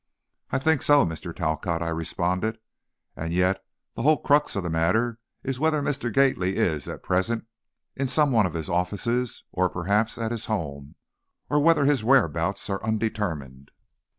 "I think so, Mr. Talcott," I responded, "and yet, the whole crux of the matter is whether Mr. Gately is, at present, in some one of his offices, or, perhaps at his home, or whether his whereabouts are undetermined."